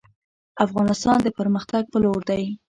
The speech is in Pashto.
افغانستان د پرمختګ په لور دی